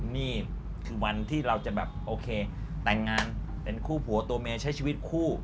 นี่คือวันที่เราจะแบบโอเคแต่งงานเป็นคู่ผัวตัวเมียใช้ชีวิตคู่